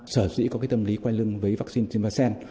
sở dĩ có cái tâm lý quay lưng với vaccine kimvaxen